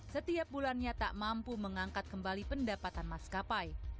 setiap bulannya tak mampu mengangkat kembali pendapatan maskapai